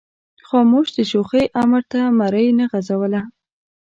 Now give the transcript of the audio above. خاموش د شوخۍ امر ته مرۍ نه غځوله.